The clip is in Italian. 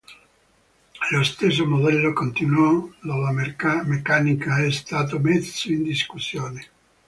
Lo stesso modello continuo della meccanica è stato messo in discussione.